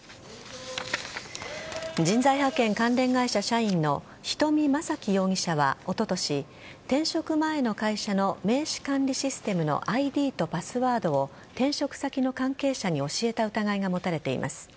人材派遣関連会社社員の人見正喜容疑者はおととし、転職前の会社の名刺管理システムのＩＤとパスワードを転職先の関係者に教えた疑いが持たれています。